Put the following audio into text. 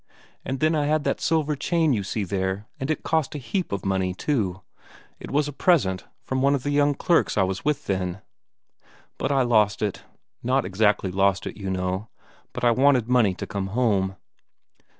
And then I had that silver chain you see there, and it cost a heap of money, too; it was a present from one of the young clerks I was with then. But I lost it. Not exactly lost it, you know, but I wanted money to come home."